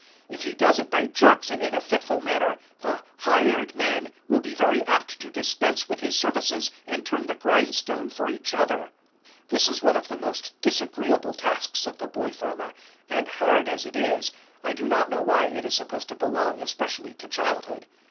If he does it by jerks and in a fitful manner, the "hired men" will be very apt to dispense with his services and turn the grindstone for each other. This is one of the most disagreeable tasks of the boy farmer, and, hard as it is, I do, not know why it is supposed to belong especially to childhood.